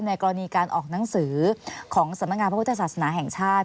กรณีการออกหนังสือของสำนักงานพระพุทธศาสนาแห่งชาติ